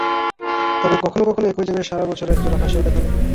তবে কখনও কখনও একই জায়গায় সারা বছর এক জোড়া হাঁসের দেখা মেলে।